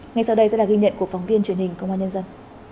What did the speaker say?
ngay sau đây sẽ là ghi nhận của phóng viên truyền hình công an nhân dân